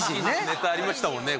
ネタありましたもんね。